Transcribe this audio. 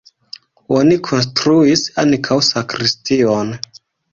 Oni konstruis ankaŭ sakristion.